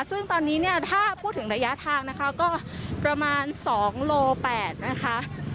ซึ่งตอนนี้เนี่ยถ้าพูดถึงระยะทางนะคะก็ประมาณ๒โล๘นะคะ